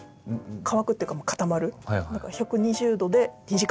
乾くっていうか固まる。